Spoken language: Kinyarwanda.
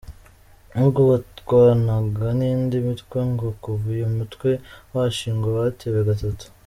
Nubwo batarwanaga n’indi mitwe, ngo kuva uyu mutwe washingwa batewe gatatu.